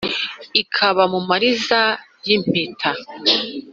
ikaba mu mariza y’ impeta,